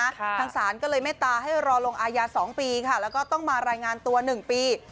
ทางศาลก็เลยเมตตาให้รอลงอายา๒ปีค่ะแล้วก็ต้องมารายงานตัว๑ปี